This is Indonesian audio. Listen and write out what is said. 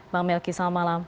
bang melki selamat malam